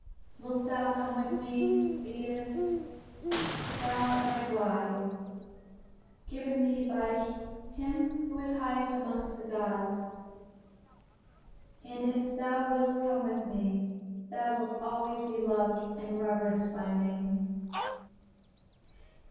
Wilt thou come with me, Thetis? Thou art my bride, given me by him who is highest amongst the gods, and if thou wilt come with me, thou wilt always be loved and reverenced by me."